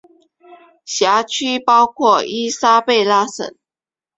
辖区包括伊莎贝拉省。